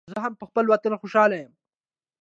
زه هم پخپل وطن خوشحال یم